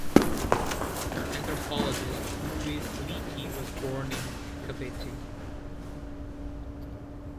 Anthropologist Louis Leakey was born in Kabete.